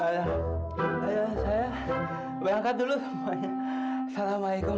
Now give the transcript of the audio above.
ayo ayo saya berangkat dulu semuanya assalamualaikum